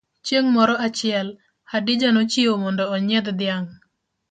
Chieng' moro achiel, Hadija nochiewo mondo onyiedh dhiang.